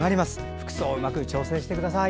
服装うまく調整してください。